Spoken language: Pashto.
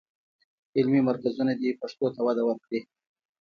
علمي مرکزونه دې پښتو ته وده ورکړي.